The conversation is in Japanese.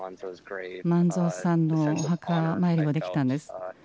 萬蔵さんのお墓参りもできたんです。